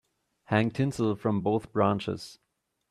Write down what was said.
Hang tinsel from both branches.